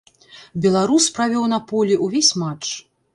Беларус правёў на полі ўвесь матч.